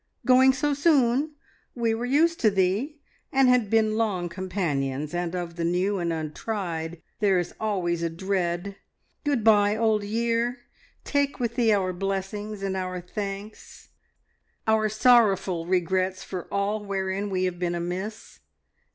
Going so soon? We were used to thee, and had been long companions, and of the new and untried there is always a dread. Good bye, Old Year! Take with thee our blessings and our thanks, our sorrowful regrets for all wherein we have been amiss.